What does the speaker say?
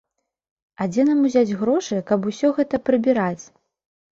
А дзе нам узяць грошы, каб усё гэта прыбіраць?